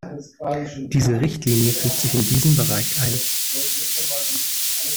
Diese Richtlinie fügt sich in diesen Bereich ein.